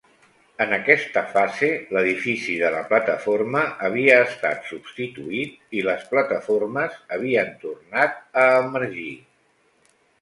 En aquesta fase, l'edifici de la plataforma havia estat substituït i les plataformes havien tornat a emergir.